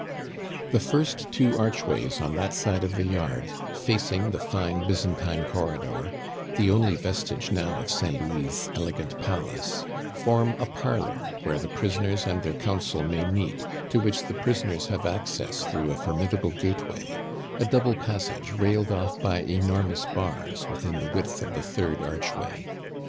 The first two archways on that side of the yard, facing the fine Byzantine corridor the only vestige now of Saint Louis' elegant palace form a parlor, where the prisoners and their counsel may meet, to which the prisoners have access through a formidable gateway a double passage, railed off by enormous bars, within the width of the third archway.